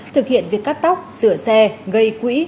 thực hiện việc cắt tóc sửa xe gây quỹ